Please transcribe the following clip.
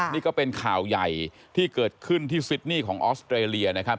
นี่ก็เป็นข่าวใหญ่ที่เกิดขึ้นที่ซิดนี่ของออสเตรเลียนะครับ